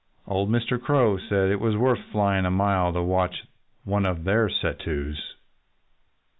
Old Mr. Crow said it was worth flying a mile to watch one of their set tos.